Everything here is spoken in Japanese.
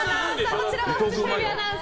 こちらもフジテレビアナウンサー。